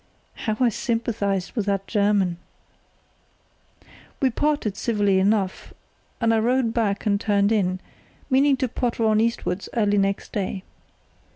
(How I sympathised with that German!) "We parted civilly enough, and I rowed back and turned in, meaning to potter on eastwards early next day.